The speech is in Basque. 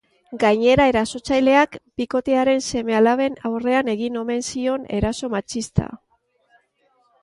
Gainera, erasotzaileak bikotearen seme-alaben aurrean egin omen zion eraso matxista.